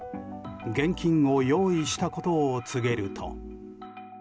現金を用意したことを告げると。